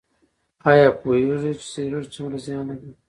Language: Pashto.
ایا پوهیږئ چې سګرټ څومره زیان لري؟